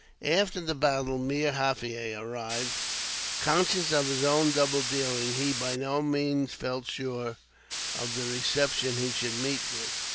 After the battle, Meer Jaffier arrived. Conscious of his own double dealing, he by no means felt sure of the reception he should meet with.